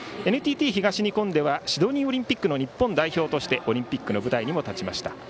ＮＴＴ東日本ではシドニーオリンピックの日本代表としてオリンピックの舞台にも立ちました。